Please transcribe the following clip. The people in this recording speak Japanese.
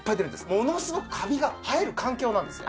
ものすごくカビが生える環境なんですよ。